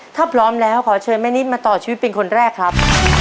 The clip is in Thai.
ถ้าพร้อมแล้วขอเชิญแม่นิดมาต่อชีวิตเป็นคนแรกครับ